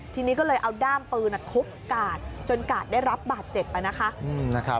ทีนี้ก็เลยเอาด้ามปืนทุบกาดจนกาดได้รับบาดเจ็บไปนะคะ